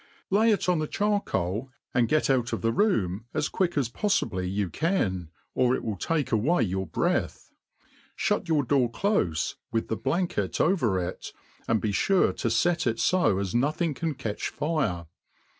Lay it on the char*' coal, and get out of the room as quick as poifibly you can, or it will take away your breath. Shut your door clofe, with the bfankct over it, and be fure to fet it fo as nothing can catch fire.